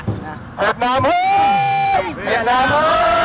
việt nam ơi